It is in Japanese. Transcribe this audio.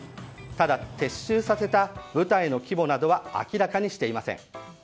ただ撤収させた部隊の規模などは明らかにしていません。